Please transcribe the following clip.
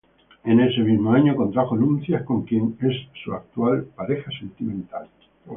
En ese mismo año contrajo nupcias con quien es su actual pareja sentimental.